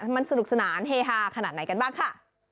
มันสนุกสนานเฮฮาขนาดไหนกันบ้างค่ะ